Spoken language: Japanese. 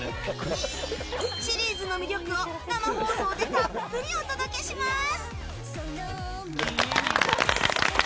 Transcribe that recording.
シリーズの魅力を生放送でたっぷりお届けします！